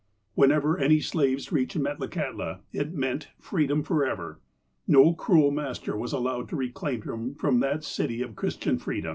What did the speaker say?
Whenever any slaves reached Metlakahtla, it meant freedom forever. No cruel master was allowed to reclaim them from that city of Christian freedom.